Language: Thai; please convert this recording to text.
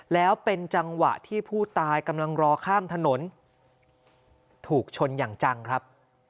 แล้วเป็นจังหวะที่ผู้ตายกำลังรอข้ามถนนถูกชนอย่างจังครับ